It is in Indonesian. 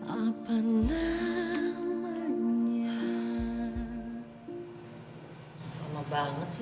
lama banget sih